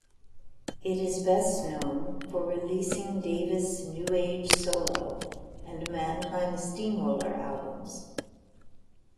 It is best known for releasing Davis' new age solo and Mannheim Steamroller albums.